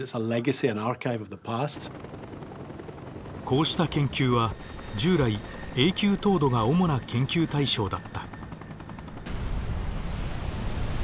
こうした研究は従来永久凍土が主な研究対象だった。